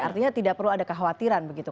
artinya tidak perlu ada kekhawatiran begitu